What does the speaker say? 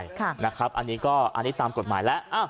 ค่ะนะครับอันนี้ตามกฎหมายและ